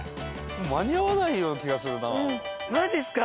間に合わないような気がするな。